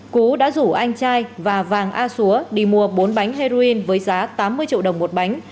cú đã rủ anh trai và vàng a xúa đi mua bốn bánh heroin với giá tám mươi triệu đồng một bánh